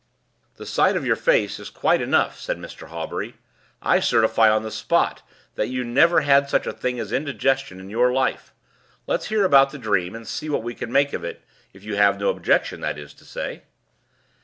"The sight of your face is quite enough," said Mr. Hawbury. "I certify, on the spot, that you never had such a thing as an indigestion in your life. Let's hear about the dream, and see what we can make of it, if you have no objection, that is to say."